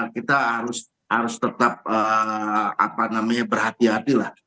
kita harus tetap berhati hati lah